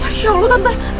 masya allah tante